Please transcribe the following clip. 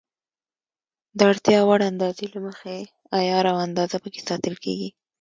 د اړتیا وړ اندازې له مخې عیار او اندازه پکې ساتل کېږي.